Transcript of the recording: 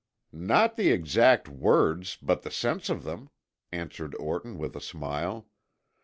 "Not the exact words, but the sense of them," answered Orton with a smile.